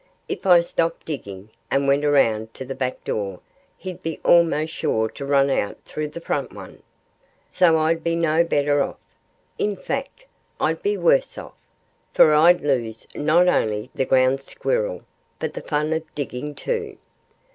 If I stopped digging, and went around to the back door, he'd be almost sure to run out through the front one. So I'd be no better off. In fact, I'd be worse off; for I'd lose not only the Ground Squirrel, but the fun of digging, too."